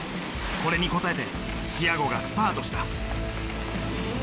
これに答えてチアゴがスパートした。